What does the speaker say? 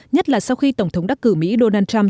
nhất là sau khi tổng thống đắc cử mỹ donald trump